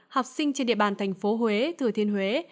học sinh trên địa bàn thành phố huế thừa thiên huế